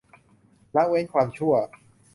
ละเว้นความชั่ว